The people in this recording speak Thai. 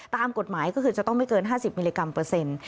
ตามกฎหมายก็คือจะต้องไม่เกิน๕๐มิลลิกรัมเปอร์เซ็นต์